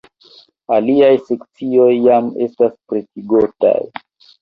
Aliaj sekcioj jam estas pretigotaj.